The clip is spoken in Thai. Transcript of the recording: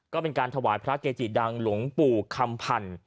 ก็เป็นการถวายพระเกจิดังหลวงปู่คำพันธ์